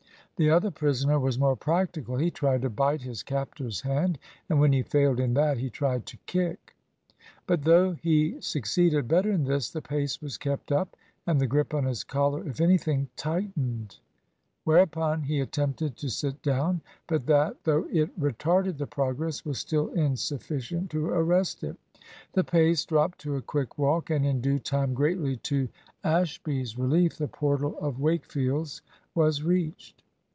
The other prisoner was more practical. He tried to bite his captor's hand, and when he failed in that, he tried to kick. But though he succeeded better in this, the pace was kept up and the grip on his collar, if anything, tightened. Whereupon he attempted to sit down. But that, though it retarded the progress, was still insufficient to arrest it. The pace dropped to a quick walk, and in due time, greatly to Ashby's relief, the portal of Wakefield's was reached.